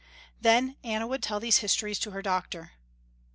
Then Anna would tell these histories to her doctor.